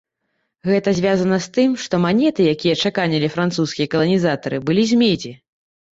Гэта звязана з тым, што манеты, якія чаканілі французскія каланізатары, былі з медзі.